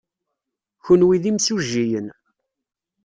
Kenwi d imsujjiyen.